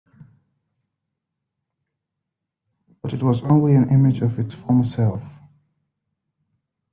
But it was only an image of its former self.